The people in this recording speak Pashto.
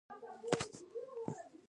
لیتیم د راتلونکي انرژۍ لپاره خورا مهم دی.